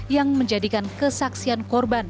yang menjadikan kesaksian korban